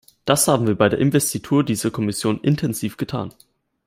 Das haben wir bei der Investitur dieser Kommission intensiv getan.